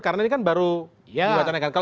karena ini kan baru dibuat oleh kkl